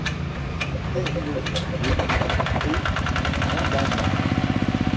Tailledet et Grandadam.